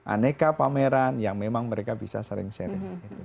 aneka pameran yang memang mereka bisa sering sharing